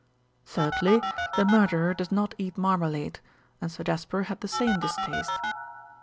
"Thirdly, the murderer does not eat marmalade and Sir Jasper had the same distaste."